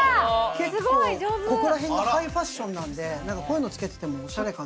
ここら辺がハイファッションなんでこういうの着けててもおしゃれかな。